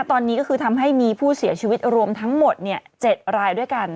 ตอนนี้ก็คือทำให้มีผู้เสียชีวิตรวมทั้งหมด๗รายด้วยกัน